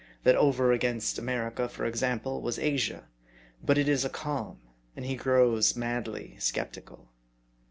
That over against America, for example, was Asia. But it is a calm, and he grows madly skeptical.